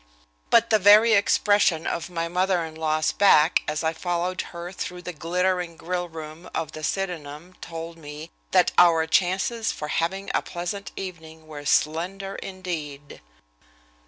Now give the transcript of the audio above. But the very expression of my mother in law's back as I followed her through the glittering grill room of the Sydenham told me that our chances for having a pleasant evening were slender indeed.